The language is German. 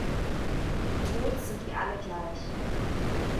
Im Tod sind wir alle gleich.